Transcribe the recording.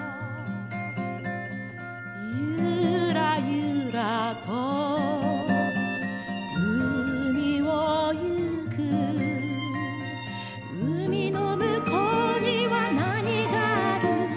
「ゆーらゆーらと海をゆく」「海の向こうには何がある？」